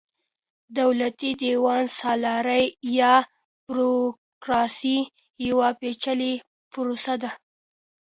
دولتي دېوان سالاري يا بروکراسي يوه پېچلې پروسه ده.